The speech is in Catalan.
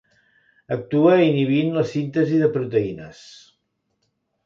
Actua inhibint la síntesi de proteïnes.